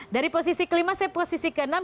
dari posisi kelima saya posisi ke enam